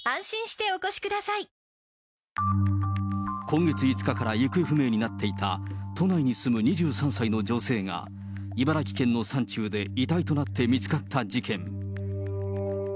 今月５日から行方不明になっていた、都内に住む２３歳の女性が、茨城県の山中で遺体となって見つかった事件。